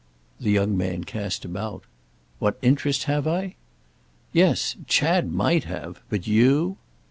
The young man cast about. "What interest have I?" "Yes. Chad might have. But you?"